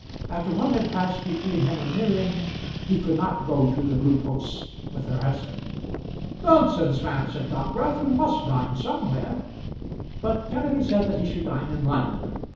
After what had passed between him and Miriam he could not go to the Blue Posts with her husband. "Nonsense, man," said Dockwrath. "You must dine somewhere." But Kenneby said that he should dine in London.